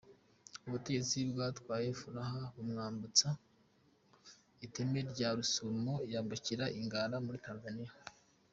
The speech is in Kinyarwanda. Ubutegetsi bwatwaye Furaha bumwambutsa iteme rya Rusumo yambukira i Ngara muri Tanzania.